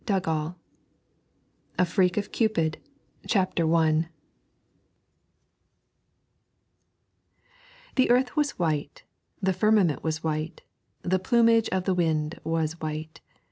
XII A FREAK OF CUPID CHAPTER I The earth was white, the firmament was white, the plumage of the wind was white.